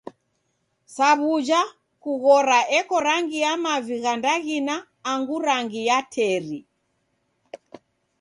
Sa wuja, kughora eko rangi ya mavi gha ndaghina angu rangi ya teri.